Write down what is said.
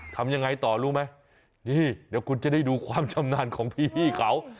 ทำยังไงต่อรู้ไหมนี่เดี๋ยวคุณจะได้ดูความชำนาญของพี่เขา